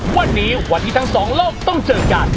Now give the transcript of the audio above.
วันนี้วันที่ทั้งสองโลกต้องเจอกัน